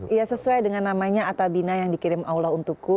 iya sesuai dengan namanya atabina yang dikirim allah untukku